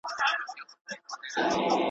نیکه جانه د جانان غمو خراب کړم!